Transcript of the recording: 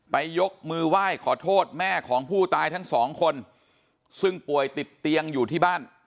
ยกมือไหว้ขอโทษแม่ของผู้ตายทั้งสองคนซึ่งป่วยติดเตียงอยู่ที่บ้าน